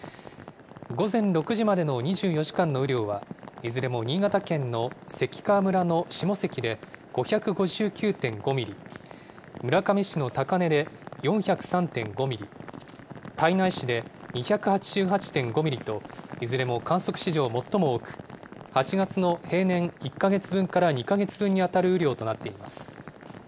午前６時までの２４時間の雨量は、いずれも新潟県の関川村の下関で５５９．５ミリ、村上市の高根で４０３．５ミリ、胎内市で２８８．５ミリと、いずれも観測史上最も多く、８月の平年１か月分から２か月分に当たる雨量となっています。